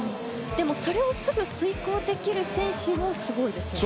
それをすぐ遂行できる選手もすごいですよね。